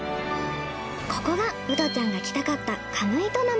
ここがウドちゃんが来たかったカムイト沼。